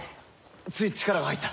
つい力が入った。